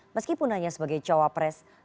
meskipun hanya sebagai cowok pres